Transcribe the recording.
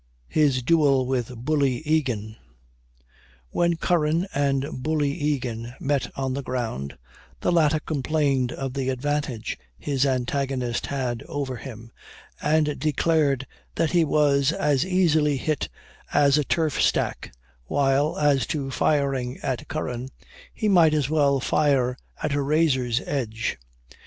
HIS DUEL WITH BULLY EGAN. When Curran and Bully Egan met on the ground, the latter complained of the advantage his antagonist had over him, and declared that he was as easily hit as a turf stack, while, as to firing at Curran, he might as well fire at a razor's edge.